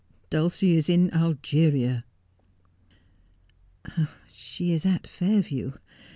Dulcie is in Algeria.' ' She is at Fairview.